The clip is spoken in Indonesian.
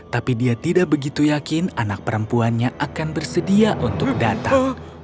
tapi dia tidak begitu yakin anak perempuannya akan bersedia untuk datang